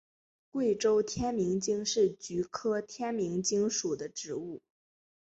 贵州天名精是菊科天名精属的植物。